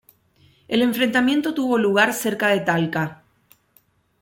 El enfrentamiento tuvo lugar cerca de Talca.